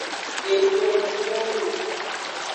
Efiovinyonu.